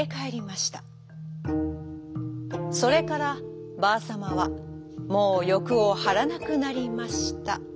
それからばあさまはもうよくをはらなくなりましたとさ。